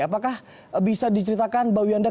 apakah bisa diceritakan bahwa